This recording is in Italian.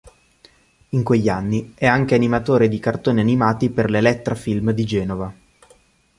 In quegli anni è anche animatore di cartoni animati per l'Elettra Film di Genova.